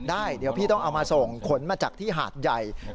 ได้เดี๋ยวพี่ต้องเอามาส่งขนมาจากที่หาดใหญ่